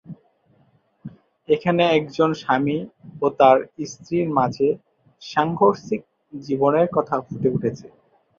এখানে একজন স্বামী ও তার স্ত্রীর মাঝে সাংঘর্ষিক জীবনের কথা ফুটে উঠে।